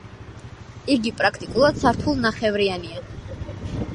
იგი პრაქტიკულად სართულნახევრიანია.